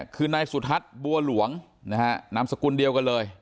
คือนายสุรศักดิ์บัวหลวงนามสกุลเดียวกันเลย